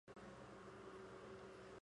原作川内康范。